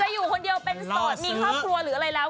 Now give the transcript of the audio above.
อยู่คนเดียวเป็นโสดมีครอบครัวหรืออะไรแล้ว